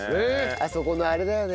あそこのあれだよね。